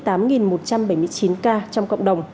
trong cộng đồng